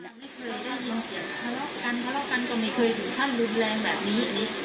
ไม่เคยได้ยินเสียงเขารอกกันก็ไม่เคยถึงขั้นรุนแรงแบบนี้